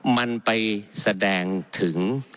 มันไปแสดงถึง